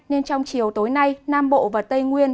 nên trong chiều tối nay nam bộ và tây nguyên